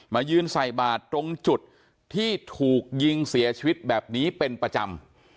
ยืนใส่บาทตรงจุดที่ถูกยิงเสียชีวิตแบบนี้เป็นประจำ